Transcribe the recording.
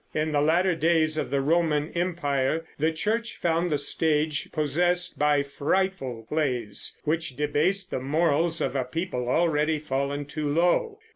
In the latter days of the Roman Empire the Church found the stage possessed by frightful plays, which debased the morals of a people already fallen too low.